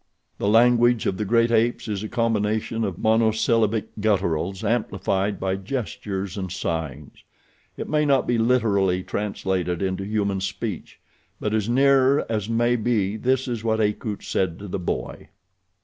The language of the great apes is a combination of monosyllabic gutturals, amplified by gestures and signs. It may not be literally translated into human speech; but as near as may be this is what Akut said to the boy.